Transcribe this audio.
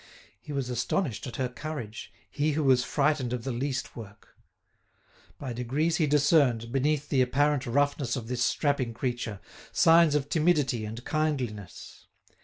He was astonished at her courage, he who was frightened of the least work. By degrees he discerned, beneath the apparent roughness of this strapping creature, signs of timidity and kindliness.